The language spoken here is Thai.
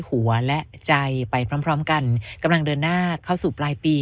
หัวใจและใจไปพร้อมพร้อมกันกำลังเดินหน้าเข้าสู่ปลายปี